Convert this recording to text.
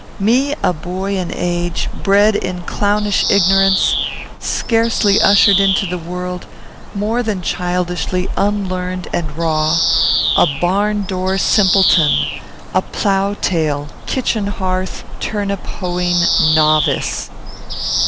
me, a boy in age; bred in clownish ignorance; scarcely ushered into the world; more than childishly unlearned and raw; a barn door simpleton; a plough tail, kitchen hearth, turnip hoeing novice!